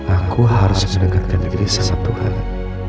aku harus meningkatkan diri saya sentuh kali